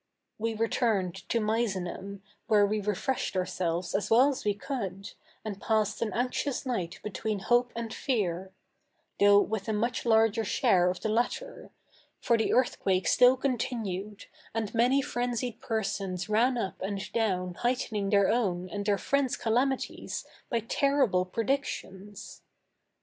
We returned to Misenum, where we refreshed ourselves as well as we could, and passed an anxious night between hope and fear; though with a much larger share of the latter; for the earthquake still continued, and many frenzied persons ran up and down heightening their own and their friends' calamities by terrible predictions.